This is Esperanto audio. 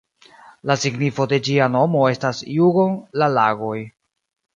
La signifo de ĝia nomo estas "Jugon"-la-lagoj.